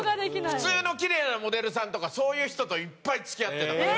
普通のきれいなモデルさんとかそういう人といっぱい付き合ってたから。